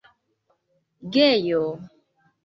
gejo